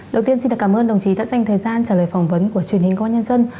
đầu tiên xin cảm ơn đồng chí đã dành thời gian trả lời phỏng vấn của truyền hình công an nhân dân